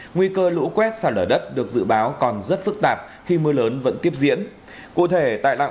nguy cơ lũ quét xả lở đất được dự báo còn rất phức tạp khi mưa lớn vẫn tiếp diễn